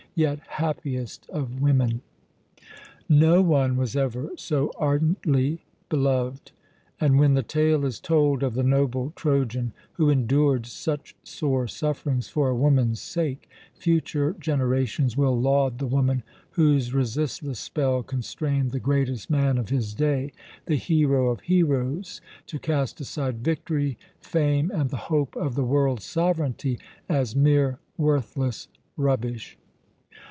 Yet happiest of women! No one was ever so ardently beloved; and when the tale is told of the noble Trojan who endured such sore sufferings for a woman's sake, future generations will laud the woman whose resistless spell constrained the greatest man of his day, the hero of heroes, to cast aside victory, fame, and the hope of the world's sovereignty, as mere worthless rubbish."